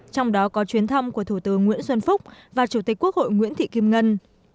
trong đó có chuyến thăm của thủ tướng nguyễn xuân phúc và chủ tịch quốc hội nguyễn thị kim ngân